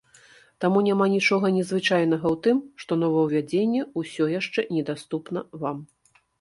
Таму няма нічога незвычайнага ў тым, што новаўвядзенне ўсё яшчэ недаступна вам.